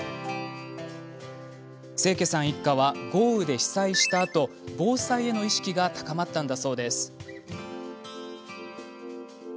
清家さん一家は豪雨で被災したあと防災への意識が高まったんだそうです。